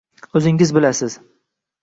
Oʻzingiz bilasiz.